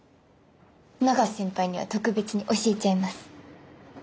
永瀬先輩には特別に教えちゃいます。